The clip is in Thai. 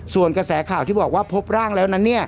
ส่วนกระแสข่าวที่บอกว่าพบร่างแล้วนั้น